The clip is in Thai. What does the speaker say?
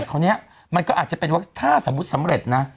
วันนี้มันก็อาจจะเป็นวัคซีนถ้าสมมุติสำเร็จนะ